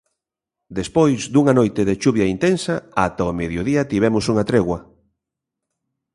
Despois dunha noite de chuvia intensa, ata o mediodía tivemos unha tregua.